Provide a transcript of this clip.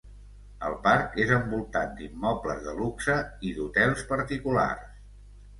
El parc és envoltat d'immobles de luxe i d'hotels particulars.